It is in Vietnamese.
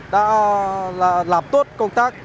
đã làm tốt công tác